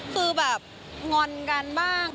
คือแบบงอนกันบ้าง